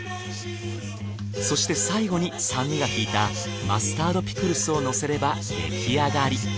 そして最後に酸味が効いたマスタードピクルスをのせればできあがり。